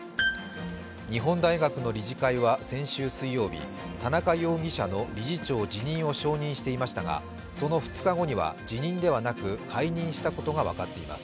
日本大学の理事会は先週水曜日、田中容疑者の理事長辞任を承認していましたが、その２日後には辞任ではなく解任したことが分かっています。